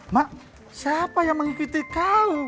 mak siapa yang mengikuti kau